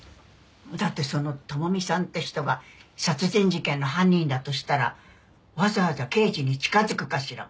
だってその朋美さんって人が殺人事件の犯人だとしたらわざわざ刑事に近づくかしら？